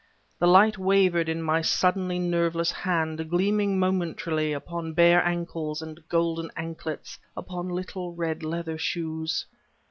The light wavered in my suddenly nerveless hand, gleaming momentarily upon bare ankles and golden anklets, upon little red leather shoes.